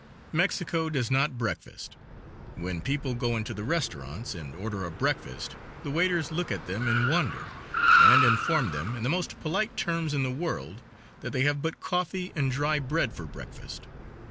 Mexico does not breakfast. When people go into the restaurants and order a breakfast the waiters look at them in wonder, and inform them in the most polite terms in the world that they have but coffee and dry bread for breakfast.